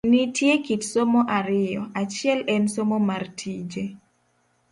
Nitie kit somo ariyo, achiel en somo mar tije